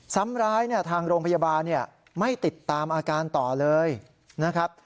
ซ้ำร้ายเนี่ยทางโรงพยาบาลไม่ติดตามอาการต่อเลยนะครับ